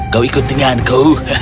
kau ikut denganku